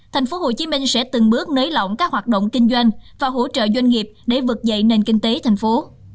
tp hcm sẽ từng bước nới lỏng các hoạt động kinh doanh và hỗ trợ doanh nghiệp để vực dậy nền kinh tế thành phố